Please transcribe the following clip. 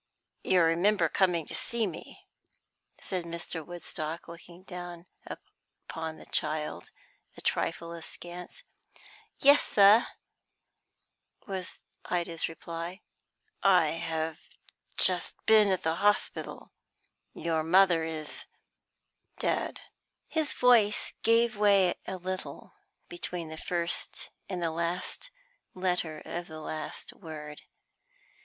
"You remember coming to see me," said Mr. Woodstock, looking down upon the child, and a trifle askance. "Yes, sir," was Ida's reply. "I have just been at the hospital. Your mother is dead." His voice gave way a little between the first and the last letter of the last word.